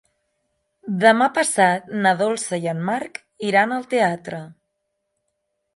Demà passat na Dolça i en Marc iran al teatre.